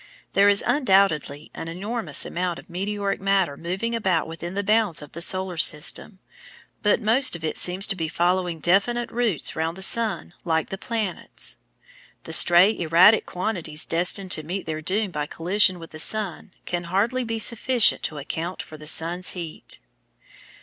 There is undoubtedly an enormous amount of meteoric matter moving about within the bounds of the solar system, but most of it seems to be following definite routes round the sun like the planets. The stray erratic quantities destined to meet their doom by collision with the sun can hardly be sufficient to account for the sun's heat.